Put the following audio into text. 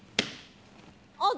あっ！